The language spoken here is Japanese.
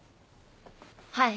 はい。